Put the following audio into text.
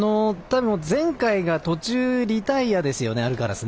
前回が途中リタイアですよね、アルカラス。